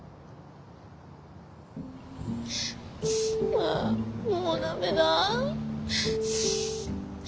ああもうダメだ。